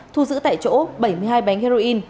thu giữ tại chỗ bảy mươi hai bánh heroin